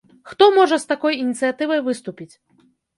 Хто можа з такой ініцыятывай выступіць?